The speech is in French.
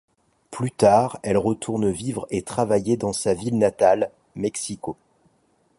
Plus tard, elle retourne vivre et travailler dans sa ville natale, Mexico.